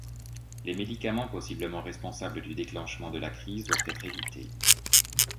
Les médicaments possiblement responsable du déclenchement de la crises doivent être évités.